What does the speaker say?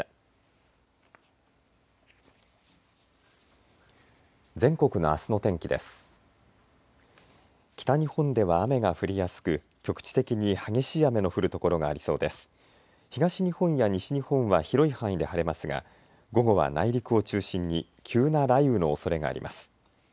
東日本や西日本は広い範囲で晴れますが午後は内陸を中心に急な雷雨のおそれがあります。